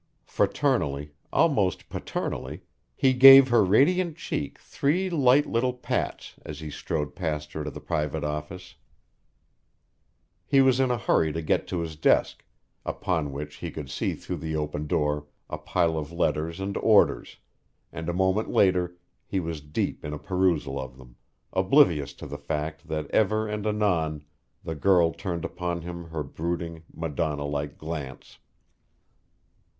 Fraternally almost paternally he gave her radiant cheek three light little pats as he strode past her to the private office. He was in a hurry to get to his desk, upon which he could see through the open door a pile of letters and orders, and a moment later he was deep in a perusal of them, oblivious to the fact that ever and anon the girl turned upon him her brooding, Madonna like glance.